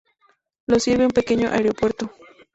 Lo sirve un pequeño aeropuerto.